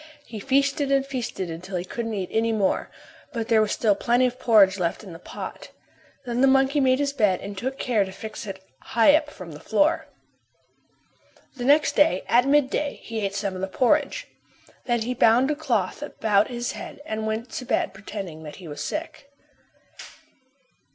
He feasted and feasted until he couldn't eat any more, but there was still plenty of porridge left in the pot. Then the monkey made his bed and took care to fix it high up from the floor. The next day, at midday, he ate some more of the porridge. Then he bound a cloth about his head and went to bed pretending that he was sick.